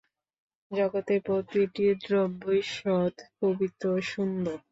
জগতের প্রতিটি দ্রব্যই সৎ, পবিত্র ও সুন্দর।